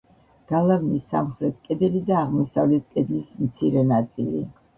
გალავნის სამხრეთ კედელი და აღმოსავლეთ კედლის მცირე ნაწილი.